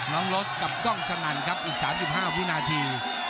รถกับกล้องสนั่นครับอีก๓๕วินาที